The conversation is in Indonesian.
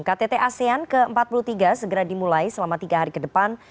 ktt asean ke empat puluh tiga segera dimulai selama tiga hari ke depan